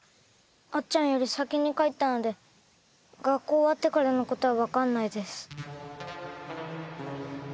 あっちゃんより先に帰ったので学校終わってからのことは分からないです。